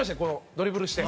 ドリブルして。